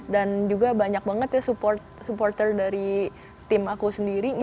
dan juga banyak banget ya supporter dari tim aku sendiri